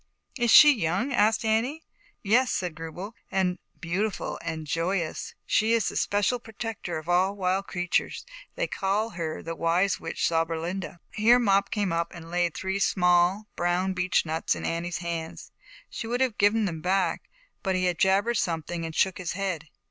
"Is she young?" asked Annie. Yes," said Grubel, "and beautiful ^*^4^u^9|H^^ > |f d joyous. She is the special protector ZAUBERLINDA, THE WISE WITCH. 167 of all the wild creatures; they call her the Wise Witch Zauberlinda." Here Mop came up and laid three small, brown beech nuts in Annie's hands. She would have given them back, but he jabbered something and shook his head.